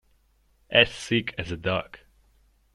As sick as a dog.